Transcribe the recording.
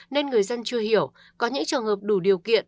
nên người dân chưa hiểu có những trường hợp đủ điều kiện